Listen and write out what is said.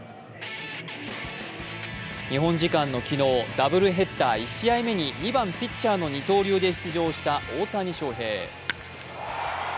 日本時間の昨日、ダブルヘッダー２試合目に２番・ピッチャーの二刀流で出場した大谷。